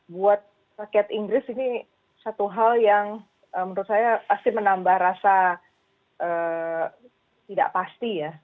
buat rakyat inggris ini satu hal yang menurut saya pasti menambah rasa tidak pasti ya